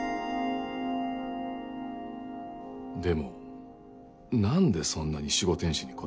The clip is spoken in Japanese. でも何でそんなに守護天使にこだわる？